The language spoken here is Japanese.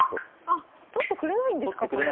あっ取ってくれないんですかこれ。